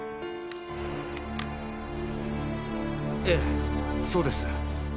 ええそうです。